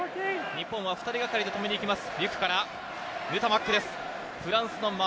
日本は２人がかりで止めにいきます。